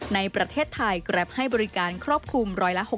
ในประเทศไทยแกรปให้บริการครอบคลุม๑๖๐